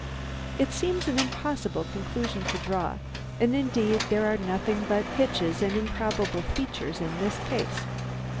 It seems an impossible conclusion to draw, and indeed there are nothing but hitches and improbable features in this case.